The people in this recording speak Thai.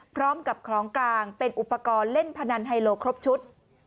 พร้อมกับของกลางเป็นอุปกรณ์เล่นพนันไฮโลครบชุด